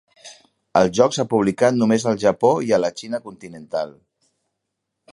El joc s'ha publicat només al Japó i la Xina continental.